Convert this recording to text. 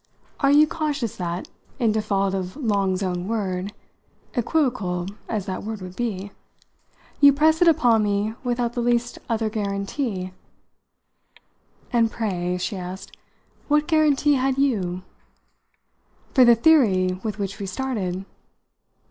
Are you conscious that, in default of Long's own word equivocal as that word would be you press it upon me without the least other guarantee?" "And pray," she asked, "what guarantee had you?" "For the theory with which we started?